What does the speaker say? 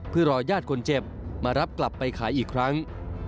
เพื่อรอญาติคนเจ็บมารับกลับไปขายอีกครั้ง